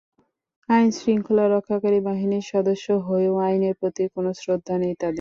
আইনশৃঙ্খলা রক্ষাকারী বাহিনীর সদস্য হয়েও আইনের প্রতি কোনো শ্রদ্ধা নেই তাদের।